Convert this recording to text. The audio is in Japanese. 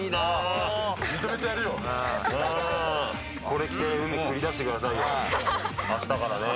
これ着て海繰り出してくださいよ明日からね。